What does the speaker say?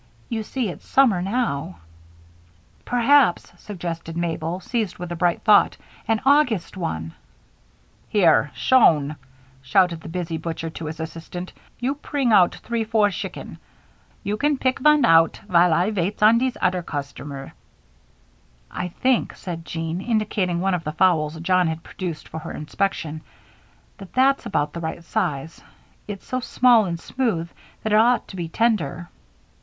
"You see it's summer now." "Perhaps," suggested Mabel, seized with a bright thought, "an August one " "Here, Schon," shouted the busy butcher to his assistant, "you pring oudt three four schicken. You can pick von oudt vile I vaits on dese odder gostomer." "I think," said Jean, indicating one of the fowls John had produced for her inspection, "that that's about the right size. It's so small and smooth that it ought to be tender."